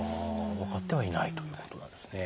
分かってはいないということなんですね。